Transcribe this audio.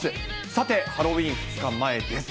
さて、ハロウィーン２日前です。